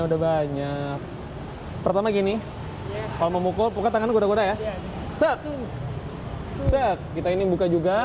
udah banyak pertama gini kalau memukul pukul tangan kuda kuda ya set set kita ini buka juga